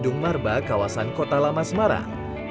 di hidung marba kawasan kota lama semarang